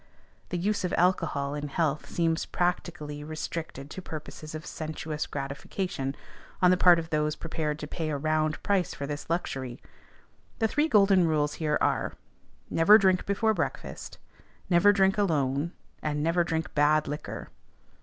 The use of alcohol in health seems practically restricted to purposes of sensuous gratification on the part of those prepared to pay a round price for this luxury. The three golden rules here are, Never drink before breakfast; never drink alone; and never drink bad liquor.